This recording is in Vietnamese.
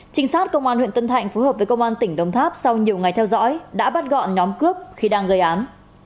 trinh sát công an huyện tân thạnh phối hợp với công an tỉnh đồng tháp sau nhiều ngày theo dõi đã bắt gọn nhóm cướp khi đang gây án